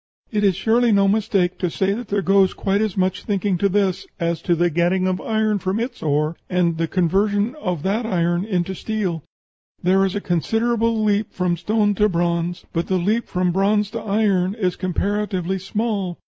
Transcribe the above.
It is surely no mistake to say that there goes quite as much thinking to this as to the getting of iron from its ore, and the conversion of that iron into steel. There is a considerable leap from stone to bronze, but the leap from bronze to iron is comparatively small....